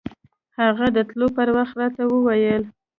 هغه د تلو پر وخت راته وويل.